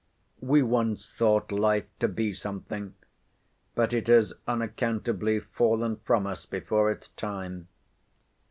We once thought life to be something; but it has unaccountably fallen from us before its time.